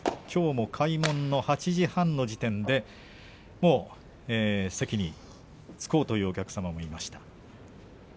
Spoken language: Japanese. きょうも開門の８時半の時点でもう席につこうというお客さんもいました。